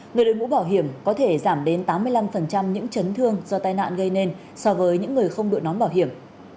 người đội mũ bảo hiểm có thể giảm đến tám mươi năm những chấn thương do tai nạn gây nên so với những người không đội nón bảo hiểm